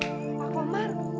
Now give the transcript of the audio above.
katanya bapak pergi